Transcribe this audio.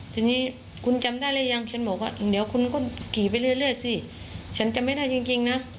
ทีนี้คุณจำได้หรือยังฉันบอกว่าเดี๋ยวคุณก็ขี่ไปเรื่อยสิฉันจำไม่ได้จริงนะ